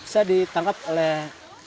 saya ditangkap oleh